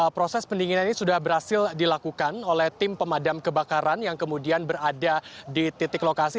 proses pendinginan ini sudah berhasil dilakukan oleh tim pemadam kebakaran yang kemudian berada di titik lokasi